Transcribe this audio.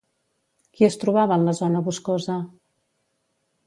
Qui es trobava en la zona boscosa?